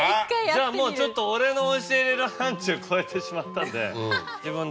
じゃあもう俺の教えれる範疇超えてしまったんで自分で。